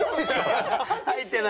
入ってないです。